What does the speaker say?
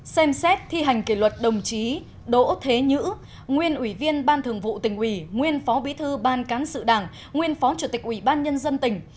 ba xem xét thi hành kỷ luật đồng chí đỗ thế nhữ nguyên ủy viên ban thường vụ tỉnh ủy nguyên phó bí thư ban cán sự đảng nguyên phó chủ tịch ủy ban nhân dân tỉnh